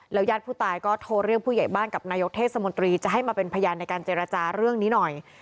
ญาติผู้ตายก็โทรเรียกผู้ใหญ่บ้านกับนายกเทศมนตรีจะให้มาเป็นพยานในการเจรจาเรื่องนี้หน่อย